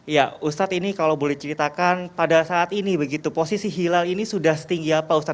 ya ustadz ini kalau boleh ceritakan pada saat ini begitu posisi hilal ini sudah setinggi apa ustadz